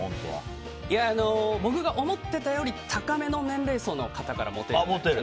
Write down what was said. いや、僕が思っていたより高めの年齢層の方からモテるんですよね。